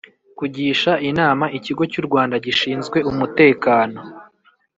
kugisha inama Ikigo cyuRwanda gishinzwe umutekano